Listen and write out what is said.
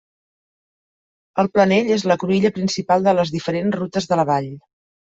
El planell és la cruïlla principal de les diferents rutes de la Vall.